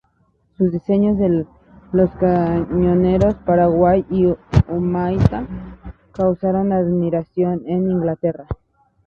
Sus diseños de los cañoneros Paraguay y Humaitá causaron admiración en Inglaterra.